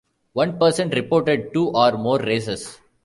One percent reported two or more races.